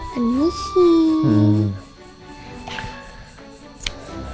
beneran kiri ya